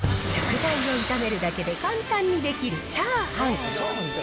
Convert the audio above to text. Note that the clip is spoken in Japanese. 食材を炒めるだけで簡単にできるチャーハン。